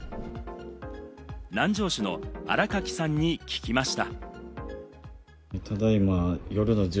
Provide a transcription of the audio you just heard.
南城市の新垣さんに聞きました。